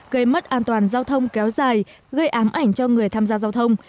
gây mất an toàn giao thông kéo dài gây ám ảnh cho người tham gia giao thông